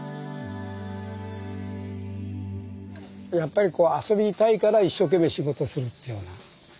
やっぱり遊びたいから一生懸命仕事するっていうような。